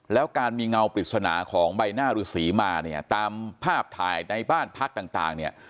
แล้วการมีเงาปริศนาของใบหน้าฤษีมาเนี่ยตามภาพถ่ายในบ้านพักต่างเนี่ย